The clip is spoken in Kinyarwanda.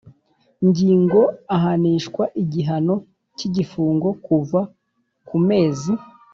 ngingo ahanishwa igihano cy igifungo kuva ku mezi